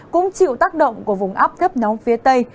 cũng chịu tác động của vùng áp thấp nóng phía tây